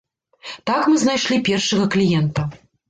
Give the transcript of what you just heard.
Так мы знайшлі першага кліента.